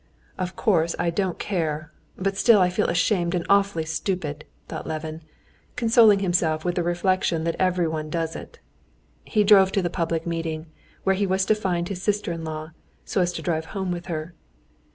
"Of course I don't care, but still I feel ashamed and awfully stupid," thought Levin, consoling himself with the reflection that everyone does it. He drove to the public meeting, where he was to find his sister in law, so as to drive home with her.